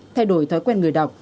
thay đổi thói quen người đọc